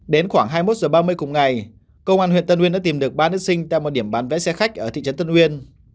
đến khoảng hai mươi một h ba mươi cùng ngày công an huyện tân uyên đã tìm được ba nữ sinh tại một điểm bán vé xe khách ở thị trấn tân uyên